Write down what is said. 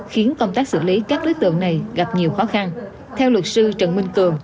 khiến công tác xử lý các đối tượng này gặp nhiều khó khăn theo luật sư trần minh cường